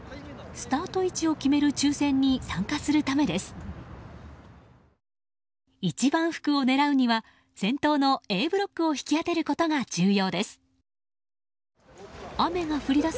スタート位置を決める抽選に参加するためです。